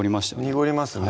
濁りますね